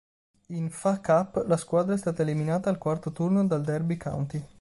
In Fa Cup la squadra è stata eliminata al Quarto turno dal Derby County.